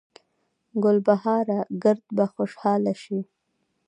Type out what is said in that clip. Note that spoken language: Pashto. ګلبهاره ګړد به خوشحاله شي